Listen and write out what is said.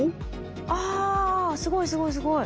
あすごいすごいすごい。